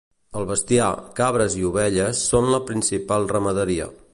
El bestiar, cabres i ovelles són la principal ramaderia.